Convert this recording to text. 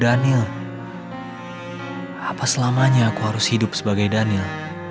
apa selamanya aku harus hidup sebagai daniel